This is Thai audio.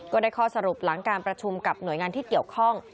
ก็ได้ข้อสรุปหลังการประชุมกับหน่วยงานที่เกี่ยวข้อง